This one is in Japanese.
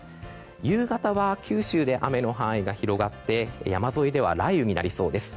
夕方は九州で雨の範囲が広がって山沿いでは雷雨になりそうです。